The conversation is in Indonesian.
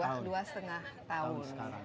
dua lima tahun sekarang